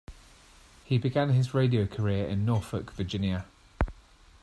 He began his radio career in Norfolk, Virginia.